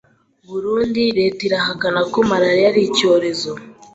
Burundi: Leta irahakana ko Malaria ari icyorezo